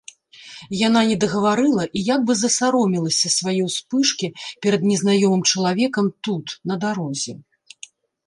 Яна недагаварыла і як бы засаромелася свае ўспышкі перад незнаёмым чалавекам тут, на дарозе.